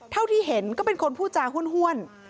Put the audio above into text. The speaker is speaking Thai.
เท่าที่เห็นก็เป็นคนพูดจาห้วน